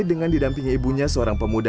dengan didampingi ibunya seorang pemuda